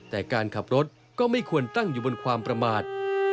แต่การขับรถก็ไม่ควรตั้งอยู่บนความประมาท